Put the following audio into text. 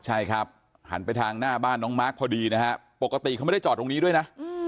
ใช่ครับหันไปทางหน้าบ้านน้องมาร์คพอดีนะฮะปกติเขาไม่ได้จอดตรงนี้ด้วยนะ